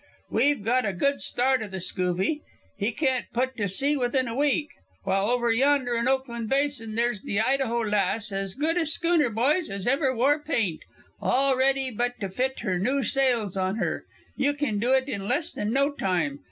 We got a good start o' the scoovy. He can't put to sea within a week, while over yonder in Oakland Basin there's the Idaho Lass, as good a schooner, boys, as ever wore paint, all ready but to fit her new sails on her. Ye kin do it in less than no time.